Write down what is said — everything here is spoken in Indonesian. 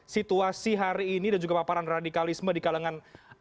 situasi hari ini dan juga paparan radikalisme di kalangan